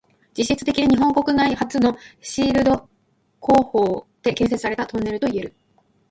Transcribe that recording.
実質的に日本国内初のシールド工法で建設されたトンネルといえる。